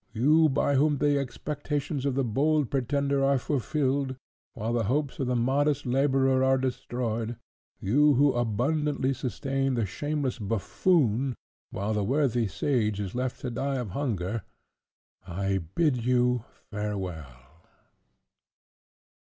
you by whom the expectations of the bold pretender are fulfilled, while the hopes of the modest labourer are destroyed; you who abundantly sustain the shameless Buffoon, while the worthy sage is left to die of hunger; I bid you farewell."